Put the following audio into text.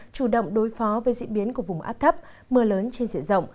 chủ động đối phó với diễn biến của vùng áp thấp mưa lớn trên diện rộng